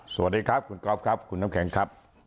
สวัสดีครับคุณกอล์ฟครับคุณน้ำแข็งครับ